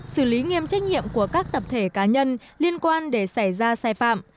xử lý nghiêm trách nhiệm của các tập thể cá nhân liên quan để xảy ra sai phạm